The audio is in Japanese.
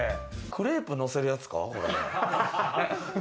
クレープのせるやつか。